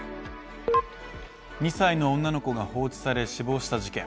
２歳の女の子が放置され、死亡した事件。